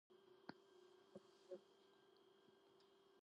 ადამი აგრეთვე იყო ნიჭიერი მასწავლებელი.